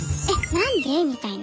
なんで⁉みたいな。